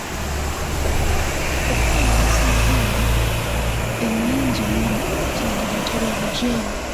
Okweyambisa empenda ennyingi ennyo kyandireetera obugyemu.